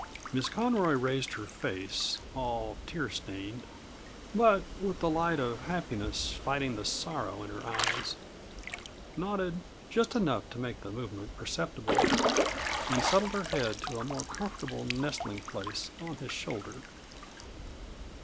Miss Conroy raised her face, all tear stained, but, with the light of happiness fighting the sorrow in her eyes, nodded just enough to make the movement perceptible, and settled her head to a more comfortable nestling place on his shoulder.